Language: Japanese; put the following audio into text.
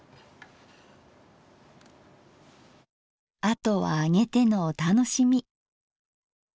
あとは揚げてのお楽しみ。